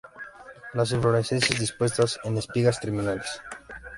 Las inflorescencias dispuestas en espigas terminales.